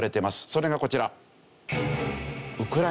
それがこちら。